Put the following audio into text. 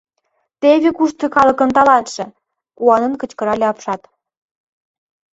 — Теве кушто калыкын талантше! — куанен кычкырале апшат.